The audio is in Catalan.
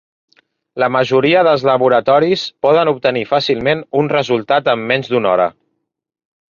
La majoria dels laboratoris poden obtenir fàcilment un resultat en menys d'una hora.